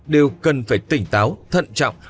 đều cần phải tỉnh táo thận trọng